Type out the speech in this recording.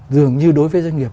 dường như đối với doanh nghiệp